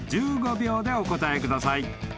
１５秒でお答えください］